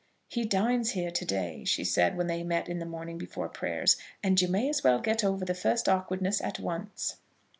"He dines here to day," she had said when they met in the morning before prayers, "and you may as well get over the first awkwardness at once."